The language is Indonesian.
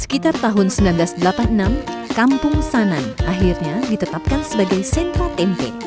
sekitar tahun seribu sembilan ratus delapan puluh enam kampung sanan akhirnya ditetapkan sebagai sentra tempe